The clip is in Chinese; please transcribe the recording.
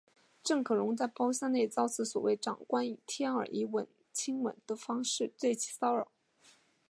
郑可荣在包厢内遭此所谓长官以舔耳及亲吻之方式对其性骚扰。